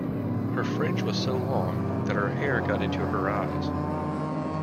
Her fringe was so long that her hair got into her eyes